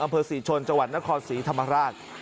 อำเภอศรีชนจังหวัดนครศรีธรรมราช